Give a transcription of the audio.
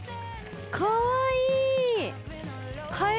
かわいい！